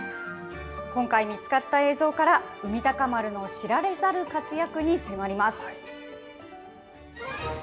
今回、見つかった映像から、海鷹丸の知られざる活躍に迫ります。